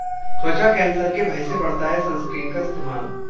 त्वचा कैंसर के भय से बढ़ता है सन्सक्रीन का इस्तेमाल